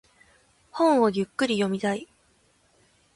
本をゆっくり読みたい。